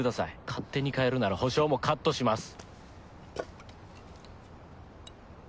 勝手に帰るなら保証もカットします」。